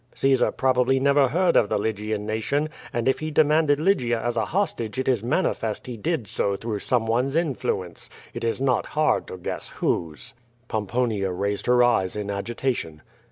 Caesar probaBly never heard of the Lygian nation, and if he demanded Lygia as a hostage it is manifest he did so through someone's iMuence. It is not hard to guess whose." Pomponia raised her eyes in agitation.